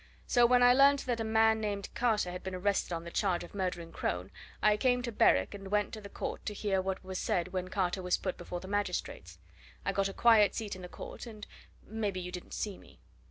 So, when I learnt that a man named Carter had been arrested on the charge of murdering Crone, I came to Berwick, and went to the court to hear what was said when Carter was put before the magistrates. I got a quiet seat in the court and maybe you didn't see me."